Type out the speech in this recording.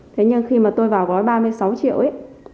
thế nhưng khi mà tôi vào gói ba mươi sáu triệu ấy